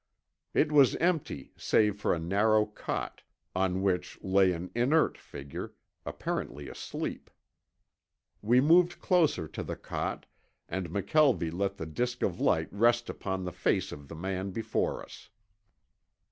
It was empty save for a narrow cot, on which lay an inert figure, apparently asleep. We moved closer to the cot and McKelvie let the disk of light rest upon the face of the man before us.